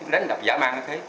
đánh đập giả mang như thế